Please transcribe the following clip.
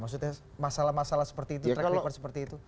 maksudnya masalah masalah seperti itu track record seperti itu